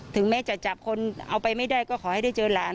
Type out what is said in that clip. ถึงแม้จะจับคนเอาไปไม่ได้ก็ขอให้ได้เจอหลาน